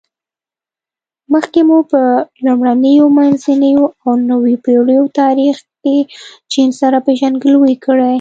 مخکې مو په لومړنیو، منځنیو او نویو پېړیو تاریخ کې چین سره پېژندګلوي کړې.